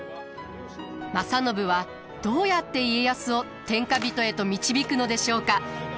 正信はどうやって家康を天下人へと導くのでしょうか？